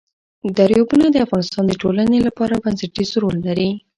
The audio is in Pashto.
دریابونه د افغانستان د ټولنې لپاره بنسټيز رول لري.